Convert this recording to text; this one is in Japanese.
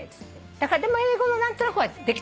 だからでも英語も何となくできた方がいい。